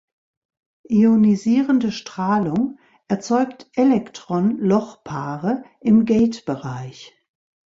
Ionisierende Strahlung erzeugt Elektron-Loch-Paare im Gate-Bereich.